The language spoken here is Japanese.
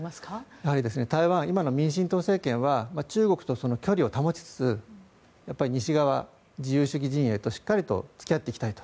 やはり台湾今の民進党政権は中国と距離を保ちつつ西側、自由主義陣営としっかりと付き合っていきたいと。